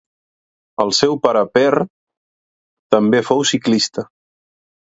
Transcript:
El seu pare Per també fou ciclista.